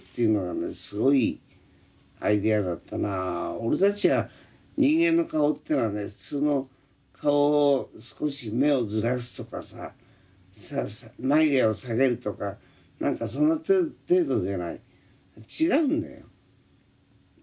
俺たちは人間の顔ってのはね普通の顔を少し目をずらすとかさ眉毛を下げるとか何かその程度じゃない。